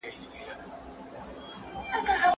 ګاونډی هیواد کلتوري تبادله نه دروي.